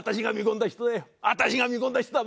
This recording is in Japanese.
私が見込んだ人だ！